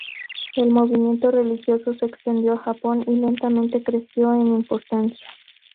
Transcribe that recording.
El movimiento religioso se extendió a Japón y lentamente creció en importancia.